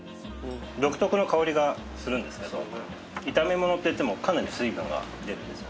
独特の香りがするんですけど炒め物っていってもかなり水分が出るんですよ。